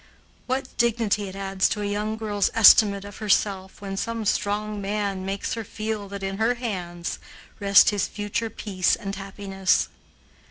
What dignity it adds to a young girl's estimate of herself when some strong man makes her feel that in her hands rest his future peace and happiness!